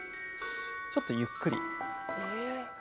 ちょっとゆっくり。